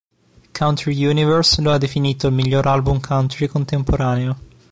Country Universe lo ha definito il miglior album Country contemporaneo.